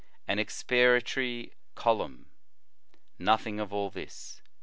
an expiatory column ? Nothing of all this.